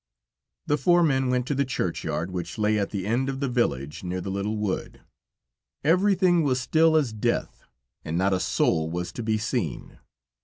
The four men went to the churchyard, which lay at the end of the village, near the little wood. Everything was as still as death, and not a soul was to be seen.